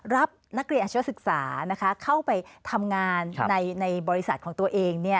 รับนักเรียนอาชีวศึกษาเข้าไปทำงานในบริษัทของตัวเอง